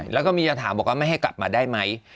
แล้วก็มีจะถามบอกว่าไม่ให้กลับมาได้ไหม